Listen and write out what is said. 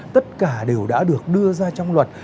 tất cả đều đã được đưa ra trong luật